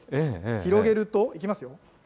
広げると、いきますよ。